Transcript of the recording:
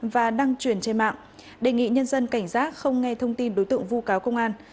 và đăng truyền trên mạng đề nghị nhân dân cảnh giác không nghe thông tin đối tượng vu cáo công an